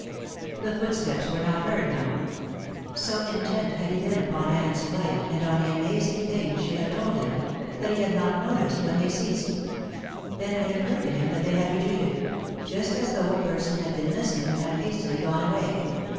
The footsteps were not heard now. So intent had he been upon Anne's flight, and on the amazing things she had told him, that he had not noticed when they ceased. Then it occurred to him that they had retreated just as though a person had been listening and had hastily gone away.